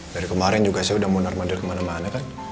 dari kemarin juga saya udah munar munar kemana mana kan